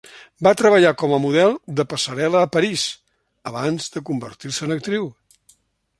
Va treballar com a model de passarel·la a París abans de convertir-se en actriu.